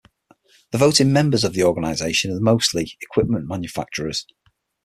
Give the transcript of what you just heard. The voting members of the organization are mostly equipment manufacturers.